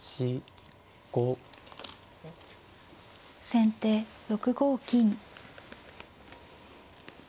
先手６五金。